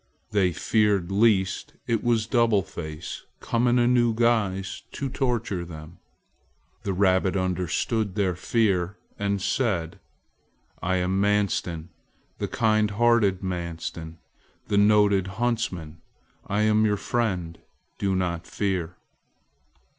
They feared lest it was Double Face come in a new guise to torture them. The rabbit understood their fear and said: "I am Manstin, the kind hearted, Manstin, the noted huntsman. I am your friend. Do not fear."